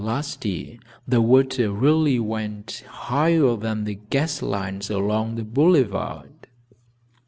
Last year the water really went higher than the gas lights along the boulevard."